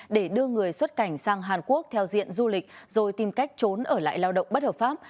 để đưa người xuất cảnh sang hàn quốc theo diện du lịch rồi tìm cách trốn ở lại lao động bất hợp pháp